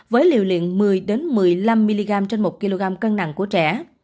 với liều lượng một mươi một mươi năm mg trên một kg cân nặng của trẻ